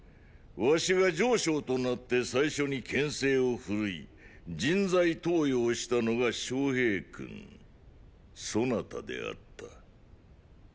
儂が丞相となって最初に権勢をふるい人材登用したのが昌平君そなたであった。